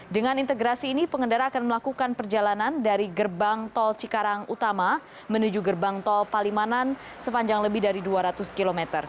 dengan integrasi ini pengendara akan melakukan perjalanan dari gerbang tol cikarang utama menuju gerbang tol palimanan sepanjang lebih dari dua ratus km